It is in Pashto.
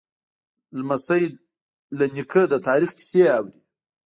لمسی له نیکه نه د تاریخ کیسې اوري.